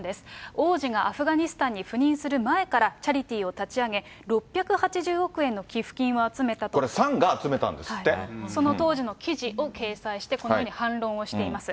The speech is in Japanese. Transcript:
王子がアフガニスタンに赴任する前からチャリティーを立ち上げ、これ、その当時の記事を掲載して、このように反論をしています。